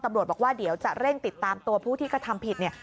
ตำรวจบอกว่าเดี๋ยวจะเร่งติดตามตัวผู้ที่กระทำผิดเนี่ย